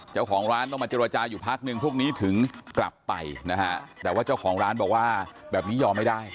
เจ้าของร้านต้องมาเจรจาอยู่พักนึงพวกนี้ถึงกลับไปนะฮะแต่ว่าเจ้าของร้านบอกว่าแบบนี้ยอมไม่ได้